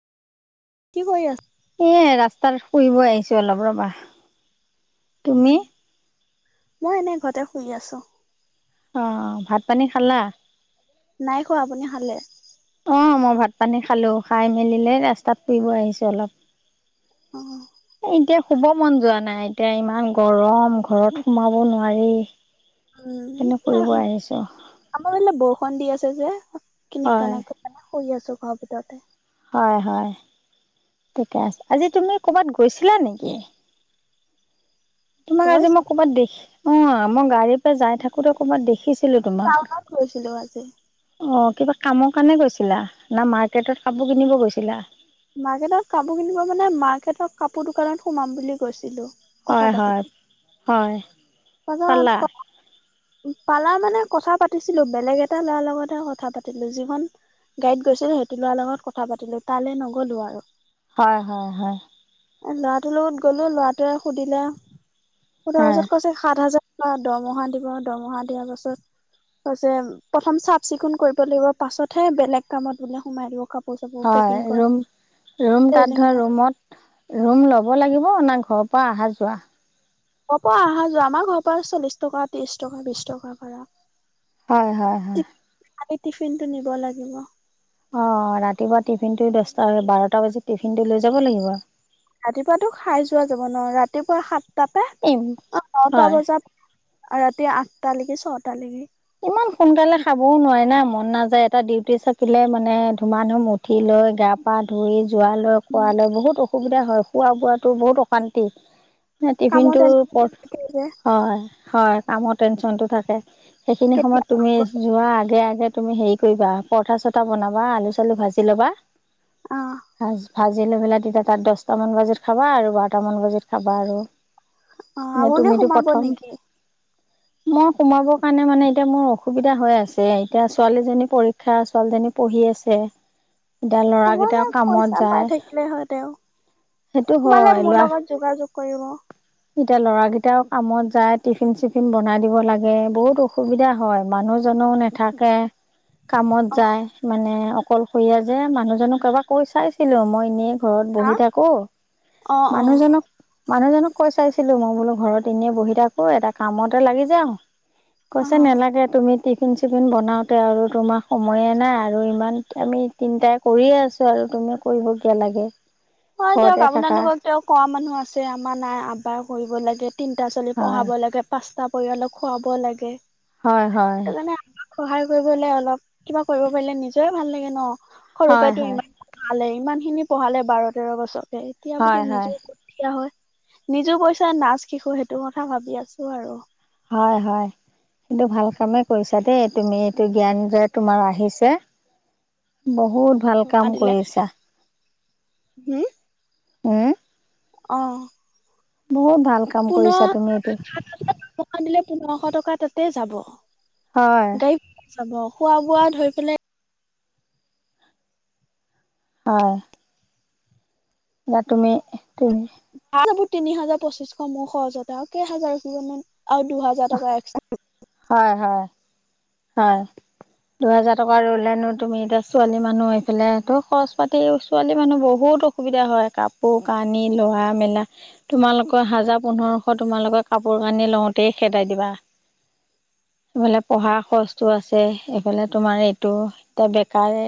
কি কৰি আছ? এ ৰাস্তাত ফুৰিব আহিছো অলপ ৰবা৷ তুমি? মই এনে ঘৰতে শুই আছোঁ৷ অ' ভাত পানী খালা? নাই খোৱা আপুনি খালে? অঁ মই ভাত পানী খালো৷ খাই মেলিলে ৰাস্তাত ফুৰিব আহিছো অ অলপ৷ এতিয়া শুব মন যোৱা নাই৷ এতিয়া ইমান গৰম ঘৰত সোমাব নোৱাৰি৷ এনে ফুৰিব উম আহিছো আমাৰফালে বৰষুণ দি আছে এই যে হয় কিনিককানাক কৰি পেলাই শুই আছো৷ [unintelligible] হয হয় ঠিকে আছে৷ আজি তুমি ক'বাত গৈছিলা নেকি? তোমাক আজি গৈছো মই ক'বাত দেখি উ আই মই গাড়ীৰ পা যাই থাকোতে ক'ৰবাত দেখিছো৷ টাউনত গৈছিলো আজি৷ অ কিবা কামৰ কাৰণে গৈছিলা? না মাৰ্কেটত কাপোৰ কিনিব গৈছিলা? মাৰ্কেটত কাপোৰ কিনিব মানে মাৰ্কেটৰ কাপোৰ দোকানত সোমাম বুলি গৈছিলো৷ কথা হয় পাতি হয়৷ হয়৷ পালা [unintelligible] পালা মানে কথা পাতিছিলো৷বেলেগ এটা ল'ৰাৰ লগতহে কথা পাতিলো৷ যিখন গাড়ীত গৈছিলো সেইটো ল'ৰাাৰ লগত কথা পাতিলো৷তালৈ নগলো আৰু৷ হয় হয় হয়৷ ল'ৰাটোৰ লগত গলো৷ল'ৰাটোৱে সুধিলে শুধাৰ হয় পিছত কৈছে সাত হাজাৰ বা দৰমহা দিব৷দৰমহা দিয়া পাছত কৈছে প্ৰথম চাফ চিকুণ কৰিব লাগিব৷পাছতহে বেলেগ কামত বোলে সোমাই দিব কাপোৰ চাপোৰ পেকিং হয় কৰা ৰুম ৰুম তাত ধৰা টেইলিঙৰ ৰুমত ৰুম ল'ব লাগিব না ঘৰৰ পৰা অহা যোৱা? হব অহা যোৱা আমাৰ ঘৰ পৰা চল্লিশ টকা ত্ৰিশ টকা বিশ টকা ভাৰা৷ হয় হয় হয় খালি টিফিন টো নিব লাগিব৷ অ ৰাতিপুৱা টিফিনটো দছটা বাৰটা বজাত টিফিনটো লৈ যাব লাগিব৷ ৰাতিপুৱাতটো খাই যোৱা যাব ন ৰাতিপুৱা সাত তাতে ইম অঁ নটা হয় বজাৰ ৰাতি আঠটালৈকে ছটালৈকে ইমান সোনকালে খাবও নোৱাৰে না মন নাযায় এটা ডিউটি থাকিলে মানে ধুমা ধুম উঠি লৈ গা পা ধুই যোৱা লৈ উম, কোৱ লৈ বহুত অসুবিধা হয় খোৱা বোৱাাতো বহুত অশান্তি টিফিন কামত টো এনে যে হয় হয় কামৰ টেনচন টো থাকে সেইখিনি কেতিয়া সময়ত তুমি যোৱাৰ আগে আগে তুমি হেৰি কৰিবা পৰঠা চৰঠা বনাবা আলু চালু ভাজি লবা অ ভ ভাজ জিলৈ মেলা তেতিয়া তাত দহটাামান বাজাত খাবা আৰু বাৰট মান বাজাত খাবা আৰু অ', এনে আপুনিও তুমিতো সোমাব প্ৰথম নেকি? মই সোমাব মানে, মানে এতিয়া মোৰ অসুবিধা হৈ আছে, এতিয়া ছোৱালীজনী পৰীক্ষা ছোৱালীজনী পঢ়ি আছে। এতিয়া ল'ৰাকেইটাও সোমালে কামত পইচা পাই যায় থাকিলে হয়, তেওঁ সেইটো সোমালে হয় মোৰ ল'ৰা লগত যোগাযোগ কৰিব। এতিয়া ল'ৰাকিটাও কামত যায় টিফিন, চিফিন বনাই দিব লাগে বহুত অসুবিধা হয়, মানুহজনো নাথাকে। কামত যায় মানে অকলশৰীয়া যে, মানুহজনক এবাৰ কৈ, চাইছিলোঁ মই এনেই ঘৰত হা বহি থাকো, অ অ মানুহজনক মানুহজনক কৈ চাইছিলোঁ, মই বোলো ঘৰত এনেই বহি থাকো এটা কামতে লাগি যাওঁ। অ কৈছে নেলাগে তুমি টিফিন চিফিন বনাওঁতে আৰু তোমাক সময়ে নাই আৰু ইমান আমি তিনটাই কৰিয়ে আছোঁ, আৰু তুমিও কৰিব কিয় লাগে? হয়, দিয়ক ঘৰতে থাকা আপোনালোকক তেওঁ কোৱা মানুহ আছে, আমাৰ নাই আবাৰ কৰিবই লাগে। তিনিটা ছোৱালী হয় পঢ়াব লাগে, পাঁচটা পৰিয়ালক খুৱাব লাগে। হয়, হয়। সেইটো কাৰণে আমাক সহায় কৰিবলে অলপ, কিবা কৰিব পাৰিলে নিজৰে ভাল লাগে ন? সৰু হয় পৰাটো হয় ইমান [unintelligible] ইমান খিনি পঢ়ালে বাৰত তেৰ বছৰ। এতিয়া হয় বোলো হয় নিজে [unintelligible] নিজো পইচা নাচ শিঁকো‌, সেইটো কথা ভাবি আছোঁ আৰু। হয়, হয় সেইটো ভাল কামে কৰিছা দেই তুমি এইটো জ্ঞান যে, তোমাৰ আহিছে বহুত ভাল কাম দিলে কৰিছা। হম উম। অ'। [unintelligible] পোন্ধ কৰিছা তুমি দিলে এইটো [unintelligible] পোন্ধৰশ টকা তে, যাব। হয় গাড়ীত যাব, খোৱা বোৱাত ধৰি পেলাই অ'। বা তুমি, তুমি বোৰ তিনি হাজাৰ, পঁচিশ মোৰ খৰচতে আৰু কেই হাজাৰ ৰখিবনো? আৰু দুহাজাৰ টকা এক্সট্ৰা হয় হয় হয় দুহাজাৰ টকা ৰুলেনো তুমি এতিয়া ছোৱালী মানুহ এইফালে ত খৰচ পাতি ছোৱালী মানুহ বহুত অসুবিধা হয় কাপোৰ কানি লোৱা মেলা তোমালোকৰ হাজাৰ পোন্ধৰশ তোমালোকৰ কাপোৰ কানি লওঁতেই খেদাই দিবা সিফালে পঢ়া। খৰচটো আছে এইফালে